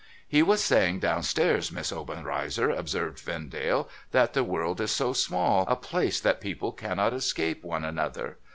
' He was saying down stairs, Miss Obenreizer,' observed Vendale, ' that the world is so small a place, that people cannot escape one another.